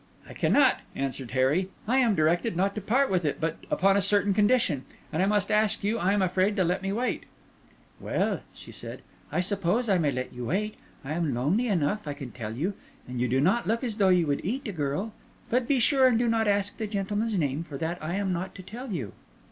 "I cannot," answered Harry. "I am directed not to part with it but upon a certain condition, and I must ask you, I am afraid, to let me wait." "Well," said she, "I suppose I may let you wait. I am lonely enough, I can tell you, and you do not look as though you would eat a girl. But be sure and do not ask the gentleman's name, for that I am not to tell you."